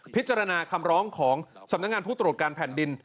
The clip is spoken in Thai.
พิจารณาคำร้องของสำนักงานผู้ตรวจการแผ่นดิน